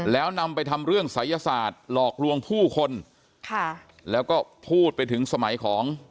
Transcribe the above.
แล้วนำไปทำเรื่องศัยศาสตร์หลอกลวงผู้คนค่ะแล้วก็พูดไปถึงสมัยของ